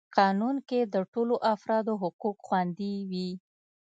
قانون کي د ټولو افرادو حقوق خوندي وي.